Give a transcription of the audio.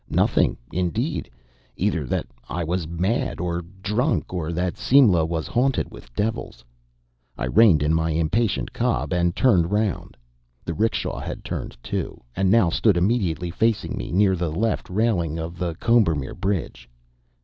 Nothing indeed. Either that I was mad or drunk, or that Simla was haunted with devils. I reined in my impatient cob, and turned round. The 'rickshaw had turned too, and now stood immediately facing me, near the left railing of the Combermere Bridge.